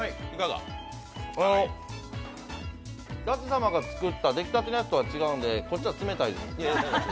舘様が作った出来たてのやつとは違うんで、こっちは冷たいです。